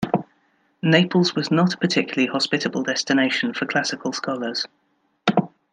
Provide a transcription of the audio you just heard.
Naples was not a particularly hospitable destination for classical scholars.